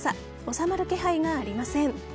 収まる気配がありません。